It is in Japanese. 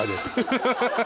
ハハハハッ